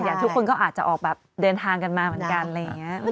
ทุกคนก็อาจจะออกแบบเดินทางกันมาเหมือนกันอะไรอย่างนี้